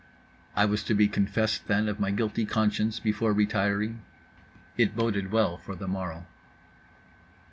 I was to be confessed, then, of my guilty conscience, before retiring? It boded well for the morrow.